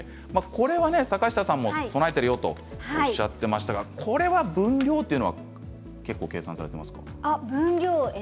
これは坂下さんも備えているとおっしゃっていましたがこれは分量は計算されていますか。